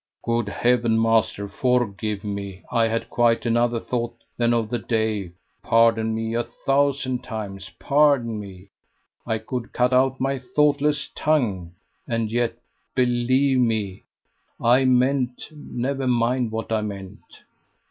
"Good Heaven! Master, forgive me. I had quite another thought than of the day; pardon me a thousand times pardon me. I could cut out my thoughtless tongue; and yet, believe me, I meant never mind what I meant."